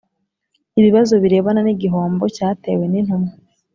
ibibazo birebana n igihombo cyatewe n intumwa